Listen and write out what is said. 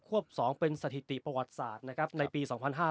วบ๒เป็นสถิติประวัติศาสตร์นะครับในปี๒๕๕๙